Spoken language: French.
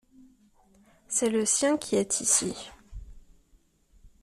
C’est le sien qui est ici.